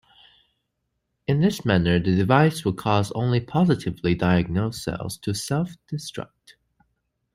In this manner, the device will cause only "positively" diagnosed cells to self-destruct.